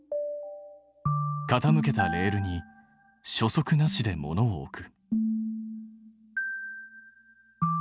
傾けたレールに初速なしで物を置く。